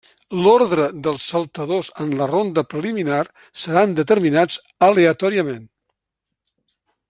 L'ordre dels saltadors en la ronda preliminar seran determinats aleatòriament.